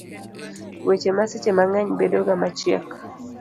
weche ne seche mang'eny bedo ga machiek